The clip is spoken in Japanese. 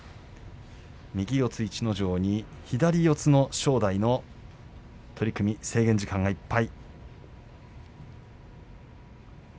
右四つ逸ノ城に左四つ正代の取組、制限時間いっぱい。